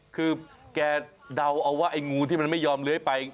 คือแกเดาเอาว่าไอ้งูที่มันไม่ยอมเลื้อยไป